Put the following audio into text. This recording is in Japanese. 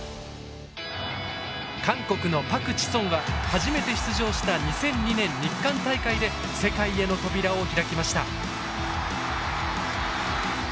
初めて出場した２００２年日韓大会で世界への扉を開きました。